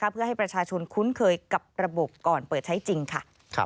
เพื่อให้ประชาชนคุ้นเคยกับระบบก่อนเปิดใช้จริงค่ะ